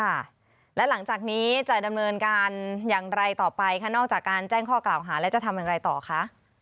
ค่ะและหลังจากนี้จะดำเนินการอย่างไรต่อไปคะนอกจากการแจ้งข้อกล่าวหาแล้วจะทำอย่างไรต่อคะ